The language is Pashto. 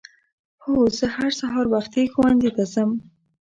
هو زه هر سهار وختي ښؤونځي ته ځم.